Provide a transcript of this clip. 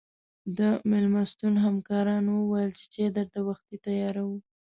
د مېلمستون همکارانو ویل چې چای درته وختي تیاروو.